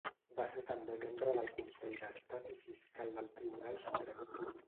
Va ser també membre del Consell d'Estat i fiscal del Tribunal Suprem.